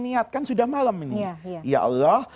niatkan sudah malam ini ya allah